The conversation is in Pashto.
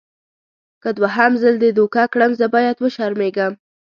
که دوهم ځل دې دوکه کړم زه باید وشرمېږم.